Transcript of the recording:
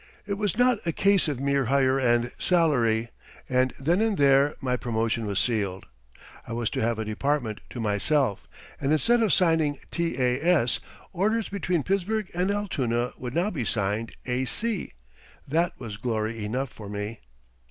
It was not a case of mere hire and salary, and then and there my promotion was sealed. I was to have a department to myself, and instead of signing "T.A.S." orders between Pittsburgh and Altoona would now be signed "A.C." That was glory enough for me.